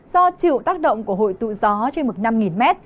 do chịu tác động của hội tụ gió trên mực năm m